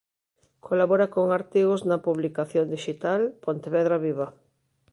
Colabora con artigos na publicación dixital "Pontevedra Viva".